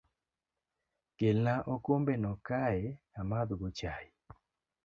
Kelna okombe no kae amadh go chai